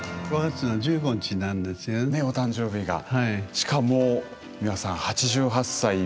しかも美輪さん８８歳米寿。